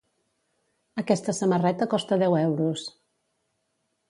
Aquesta samarreta costa deu euros.